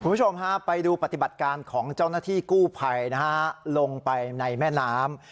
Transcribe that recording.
คุณผู้ชมฮะไปดูปฏิบัติการของเจ้าหน้าที่กู้ภัยนะฮะลงไปในแม่น้ำ